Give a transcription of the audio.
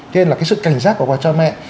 thế nên là cái sự cảnh giác của các cha mẹ